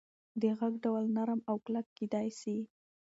د غږ ډول نرم او کلک کېدی سي.